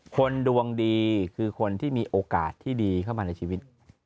คนดวงดีคือคนที่มีโอกาสที่ดีเข้ามาในชีวิต